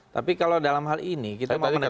tapi kalau dalam hal ini kita mau menegakkan satu